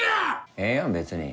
ええやん別に。